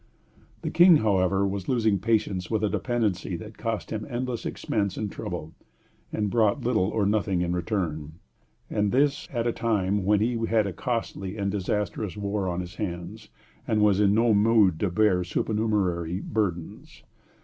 The King, however, was losing patience with a dependency that cost him endless expense and trouble, and brought little or nothing in return, and this at a time when he had a costly and disastrous war on his hands, and was in no mood to bear supernumerary burdens.